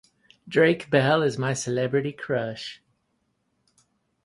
Drake Bell is my celebrity crush.